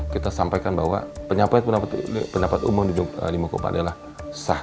kita sampaikan bahwa penyampaian pendapat umum di muka umum adalah sah